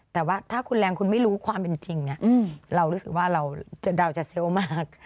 แต่ว่าถ้าคุณแรงคุณไม่รู้ความเป็นจริงเรารู้สึกว่าเราจะดาวจะเซลล์มาก